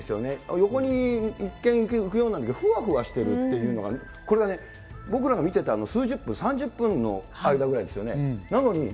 横に一見、行くようなんだけど、ふわふわしてるっていうのが、これがね、僕らが見てた、数十分、３０分の間ぐらいですよね。